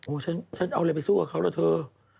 โอ้ฉันเอาอะไรไปสู้กับเขาแล้วเถอะ